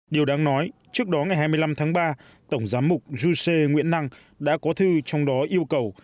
điều đáng nói trước đó ngày hai mươi năm tháng ba tổng giám mục giê nguyễn năng đã có thư trong đó yêu cầu